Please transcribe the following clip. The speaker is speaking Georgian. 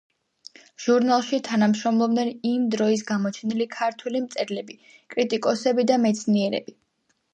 ჟურნალში თანამშრომლობდნენ იმ დროის გამოჩენილი ქართველი მწერლები, კრიტიკოსები და მეცნიერები.